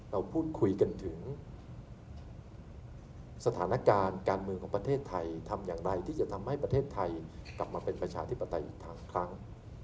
เราพูดคุยกันถึงสถานการณ์การเมืองของประเทศไทยทำอย่างไรที่จะทำให้ประเทศไทยกลับมาเป็นประชาธิปไตยอีกครั้ง